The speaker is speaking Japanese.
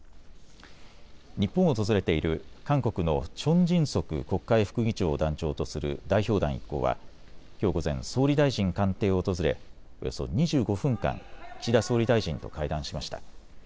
日本を訪れている韓国のチョン・ジンソク国会副議長を団長とする代表団一行はきょう午前、総理大臣官邸を訪れおよそ２５分間、岸田総理大臣と会談しました。